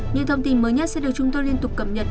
những thông tin mới nhất sẽ được chúng tôi liên tục cập nhật